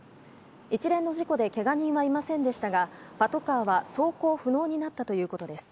一連の事故でけが人はいませんでしたがパトカーは走行不能になったということです。